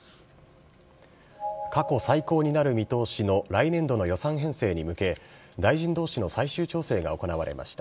過去最高になる見通しの来年度の予算編成に向け、大臣どうしの最終調整が行われました。